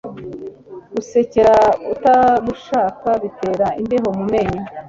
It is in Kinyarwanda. gusekera utagushaka bitera imbeho mu menyo